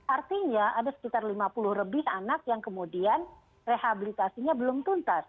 artinya ada sekitar lima puluh lebih anak yang kemudian rehabilitasinya belum tuntas